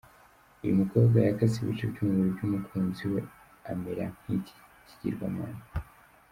Uyu mukobwa yakase ibice by’umubiri by’umukunzi we amera nk’iki kigirwamana.